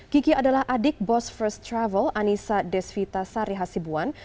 kiki adalah adik bos first travel anissa desvita sari hasibuan